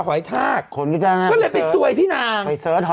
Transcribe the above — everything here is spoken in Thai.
หอยท่างอ่ะก็เลยไปสวยที่นาง